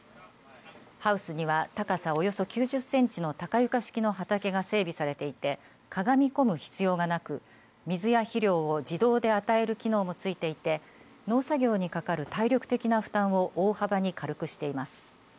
ハウスには高さおよそ９０センチの高床式の畑が整備されていてかがみ込む必要はなく水や肥料を自動で与える機能も付いていて農作業にかかる体力的な負担を大幅に軽くしています。